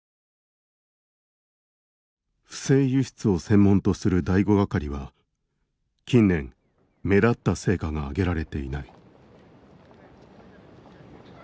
「不正輸出を専門とする第五係は近年目立った成果が上げられていない」。